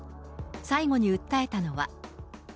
最後に訴えたのは。